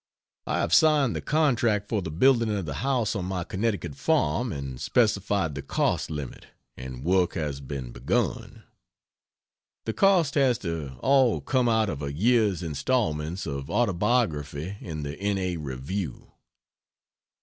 I have signed the contract for the building of the house on my Connecticut farm and specified the cost limit, and work has been begun. The cost has to all come out of a year's instalments of Autobiography in the N. A. Review.